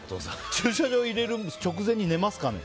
駐車場入れる直前に寝ますかね。